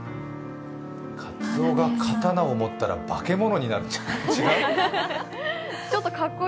カツオが刀を持ったら化け物になるんじゃない？